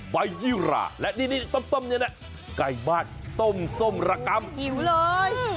ไบยร่าและนี่นี่ต้มนี่นี่ไก่บ้านต้มส้มระกำอู๋หิวเลย